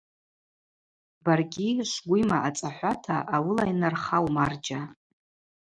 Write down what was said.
Баргьи, швгвима ацӏахӏвата, ауыла йнархау, марджьа.